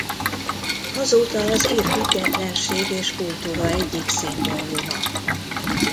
Azóta az ír függetlenség és kultúra egyik szimbóluma.